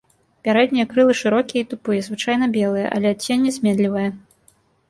Пярэднія крылы шырокія і тупыя, звычайна белыя, але адценне зменлівае.